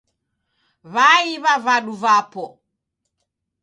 W'aiw'a vadu vapo.